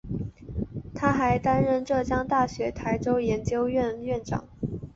他还担任浙江大学台州研究院院长。